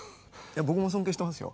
僕も尊敬してますよ。